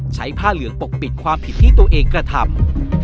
ผ้าเหลืองปกปิดความผิดที่ตัวเองกระทำ